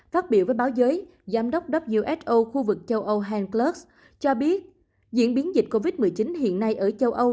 phát biểu với báo giới giám đốc who khu vực châu âu hanklus cho biết diễn biến dịch covid một mươi chín hiện nay ở châu âu